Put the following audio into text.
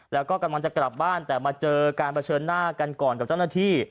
แล้วก็กำลังจะกลับบ้านแต่มาเจอการเผชิญหน้ากันก่อนกับเจ้าหน้าที่